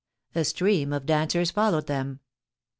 A stream of dancers followed them.